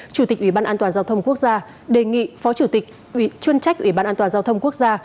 chủ tịch ủy ban an toàn giao thông quốc gia đề nghị phó chủ tịch chuyên trách ủy ban an toàn giao thông quốc gia